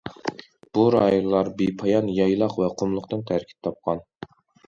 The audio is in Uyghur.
بۇ رايونلار بىپايان يايلاق ۋە قۇملۇقتىن تەركىب تاپقان.